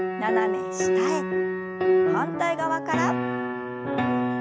反対側から。